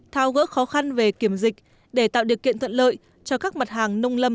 thao gỡ khó khăn về kiểm dịch để tạo điều kiện thuận lợi cho các mặt hàng nông lâm